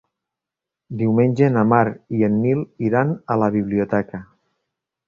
Diumenge na Mar i en Nil iran a la biblioteca.